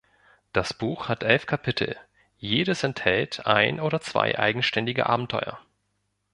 Das Buch hat elf Kapitel; jedes enthält ein oder zwei eigenständige Abenteuer.